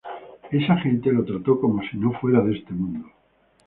Esa gente lo trató como si no fuera de este mundo.